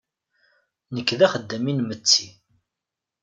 Nekk d axeddam inmetti.